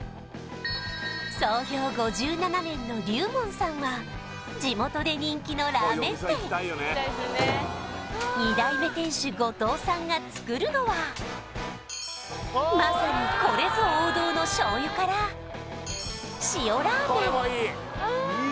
創業５７年の龍門さんは地元で人気のラーメン店が作るのはまさにこれぞ王道のしょうゆからしおラーメン